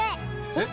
えっ！